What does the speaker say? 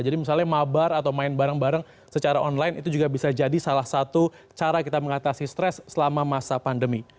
jadi misalnya mabar atau main bareng bareng secara online itu juga bisa jadi salah satu cara kita mengatasi stres selama masa pandemi